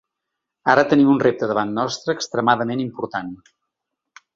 Ara tenim un repte davant nostre extremadament important.